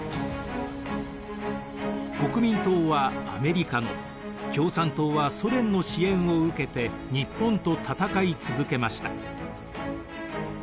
国民党はアメリカの共産党はソ連の支援を受けて日本と戦い続けました。